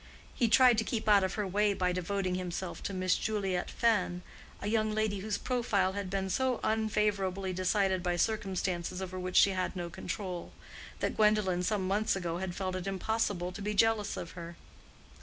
He tried to keep out of her way by devoting himself to Miss Juliet Fenn, a young lady whose profile had been so unfavorably decided by circumstances over which she had no control, that Gwendolen some months ago had felt it impossible to be jealous of her.